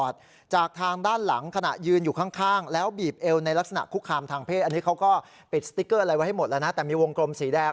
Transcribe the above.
ดูไว้ให้หมดแล้วนะแต่มีวงกรมสีแดง